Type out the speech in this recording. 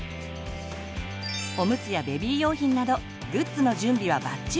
おむつやベビー用品などグッズの準備はバッチリ。